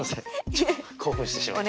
ちょっと興奮してしまった。